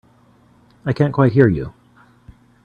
I can't quite hear you.